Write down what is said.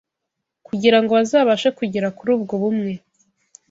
Kugira ngo bazabashe kugera kuri ubwo bumwe,